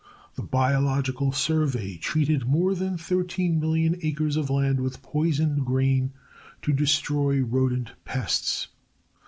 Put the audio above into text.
The Biological Survey treated more than thirteen million acres of land with poisoned grain to destroy rodent pests.